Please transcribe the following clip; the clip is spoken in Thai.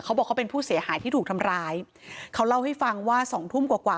เขาบอกเขาเป็นผู้เสียหายที่ถูกทำร้ายเขาเล่าให้ฟังว่าสองทุ่มกว่ากว่า